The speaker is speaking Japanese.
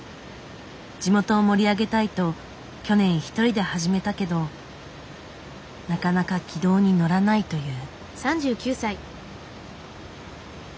地元を盛り上げたいと去年一人で始めたけどなかなか軌道に乗らないという。